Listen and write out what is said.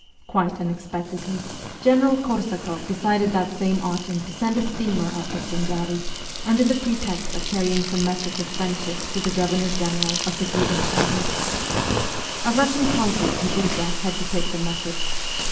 Quite unexpectedly, General Korsakoff decided that same autumn to send a steamer up the Sungari, under the pretext of carrying some message of friendship to the Governor General of the Ghirin province. A Russian consul from Urga had to take the message.